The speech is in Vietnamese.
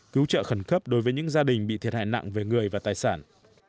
cứu trợ khẩn cấp đối với những gia đình bị thiệt hại nặng về người và tài sản